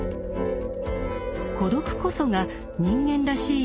孤独こそが「人間らしい」